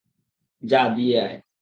যা দিয়ে আয়।